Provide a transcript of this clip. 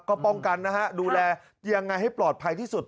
ก็ป้องกันนะฮะดูแลยังไงให้ปลอดภัยที่สุด